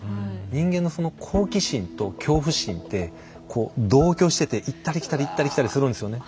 人間のその好奇心と恐怖心ってこう同居してて行ったり来たり行ったり来たりするんですよね。